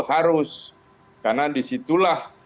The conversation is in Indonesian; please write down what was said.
harus karena disitulah